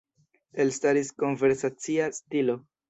Elstaris konversacia stilo.